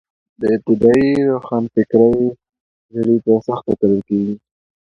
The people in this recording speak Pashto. د ابتدايي روښانفکرۍ زړي په سخته کرل کېږي.